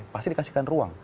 pasti dikasihkan ruang